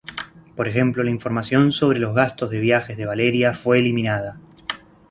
Por ejemplo, la información sobre los gastos de viajes de Valeria fue eliminada.